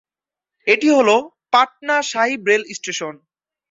এটি হল Patna Sahib rail station.